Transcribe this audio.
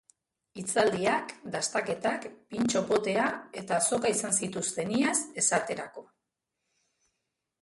Hitzaldiak, dastaketak, pintxo potea eta azoka izan zituzten iaz, esaterako.